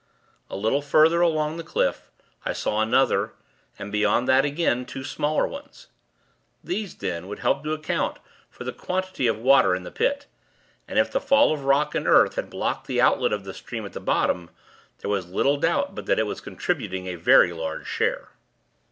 A little further along the cliff, I saw another, and, beyond that again, two smaller ones. These, then, would help to account for the quantity of water in the Pit; and, if the fall of rock and earth had blocked the outlet of the stream at the bottom, there was little doubt but that it was contributing a very large share.